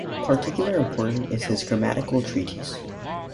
Particular important is his Grammatical Treatise.